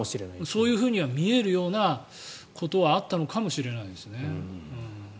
そう見えるようなことはあったのかもしれないですね。